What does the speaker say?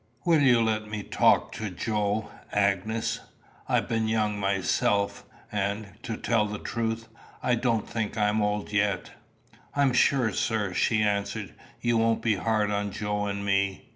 Will you let me talk to Joe, Agnes? I've been young myself, and, to tell the truth, I don't think I'm old yet." "I am sure, sir," she answered, "you won't be hard on Joe and me.